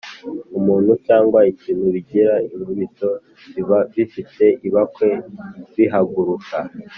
umuntu cyangwa ikintu bigira inkubito, biba bifite ibakwe, bihaguruka